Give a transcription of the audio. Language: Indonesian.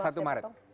sudah satu maret